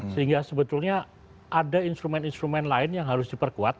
sehingga sebetulnya ada instrumen instrumen lain yang harus diperkuat